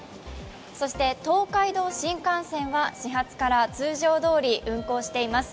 そして東海道新幹線は始発から通常どおり運行しています。